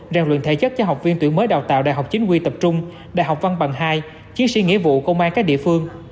rèn luyện thể chất cho học viên tuyển mới đào tạo đại học chính quy tập trung đại học văn bằng hai chiến sĩ nghĩa vụ công an các địa phương